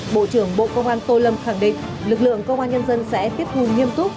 bộ trưởng bộ công an tô lâm khẳng định lực lượng công an nhân dân sẽ tiếp thù nghiêm túc